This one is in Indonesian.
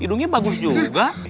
hidungnya bagus juga